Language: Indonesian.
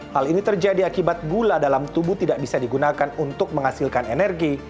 hal ini terjadi akibat gula dalam tubuh tidak bisa digunakan untuk menghasilkan energi